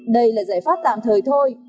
đây là giải pháp tạm thời thôi